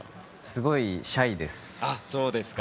すごいシャイです。